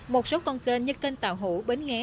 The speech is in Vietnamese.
một số con kênh như kênh tàu hủ bến nghé